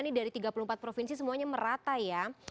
ini dari tiga puluh empat provinsi semuanya merata ya